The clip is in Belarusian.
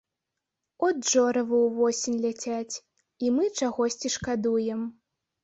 От жоравы ўвосень ляцяць, і мы чагосьці шкадуем.